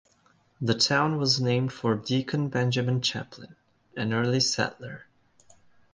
The town was named for Deacon Benjamin Chaplin, an early settler.